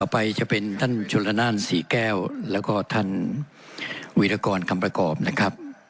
ไปจะเป็นท่านชนละนานศรีแก้วแล้วก็ท่านวีรกรคำประกอบนะครับ